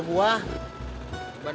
makut ke pas